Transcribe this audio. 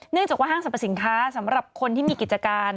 จากว่าห้างสรรพสินค้าสำหรับคนที่มีกิจการ